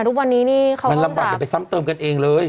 ทุกวันนี้นี้เขาก็ตรงกลับมันลำบากก็ไปซ้ำเติมกันเองเลย